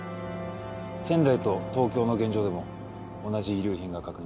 仙台と東京の現場でも同じ遺留品が確認されています。